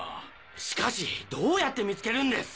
しかしどうやって見つけるんです！？